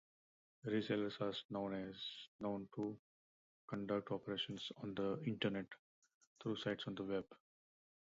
Resellers are known to conduct operations on the Internet through sites on the web.